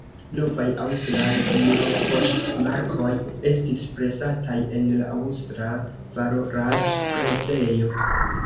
Novaj aŭstraj eŭropoŝtmarkoj estis presataj en la Aŭstra Valoraĵpresejo.